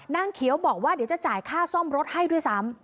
นางเขียวบอกว่าเดี๋ยวจะจ่ายค่าซ่อมรถให้ด้วยซ้ำ